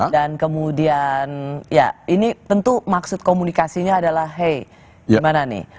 kemudian ya ini tentu maksud komunikasinya adalah hey gimana nih